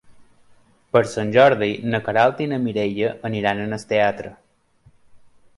Per Sant Jordi na Queralt i na Mireia aniran al teatre.